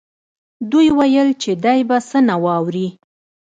دوی ویل چې دی به څه نه واوري